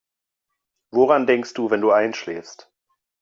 Woran denkst du, wenn du einschläfst?